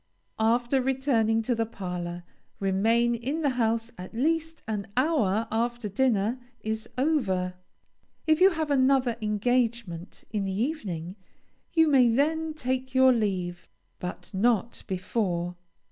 After returning to the parlor, remain in the house at least an hour after dinner is over. If you have another engagement in the evening, you may then take your leave, but not before.